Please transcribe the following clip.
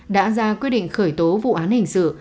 đã ra quyết định khởi tố vụ án hình sự